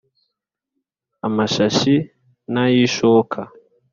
amashashi ntayishoka